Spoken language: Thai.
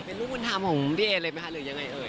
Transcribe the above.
เป็นรูปวิทย์ทำของพี่เอเลยไหมคะหรือยังไงเอ่ย